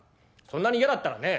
そんなに嫌だったらね